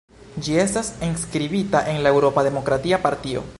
Ĝi estas enskribita en la Eŭropa Demokratia Partio.